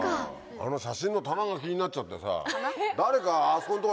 あの写真の棚が気になっちゃってさ。